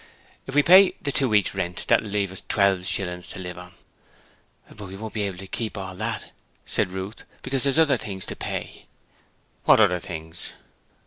'If we pay the two week's rent that'll leave us twelve shillings to live on.' 'But we won't be able to keep all of that,' said Ruth, 'because there's other things to pay.' 'What other things?'